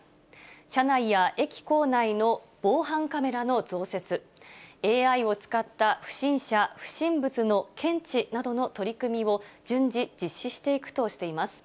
車内や駅構内の防犯カメラの増設、ＡＩを使った不審者・不審物の検知などの取り組みを順次実施していくとしています。